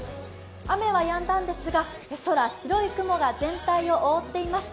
雨はやんだんですが、空、白い雲が全体を覆っています。